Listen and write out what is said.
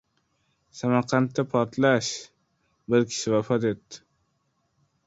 Samarqandda portlash: bir kishi vafot etdi